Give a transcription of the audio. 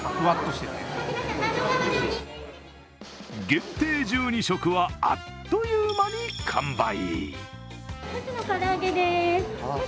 限定１２食はあっという間に完売。